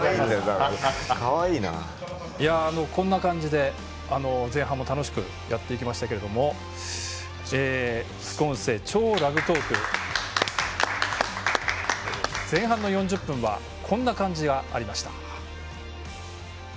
こんな感じで、前半も楽しくやっていきましたけども副音声「＃超ラグトーク」前半の４０分はこんな感じがありました。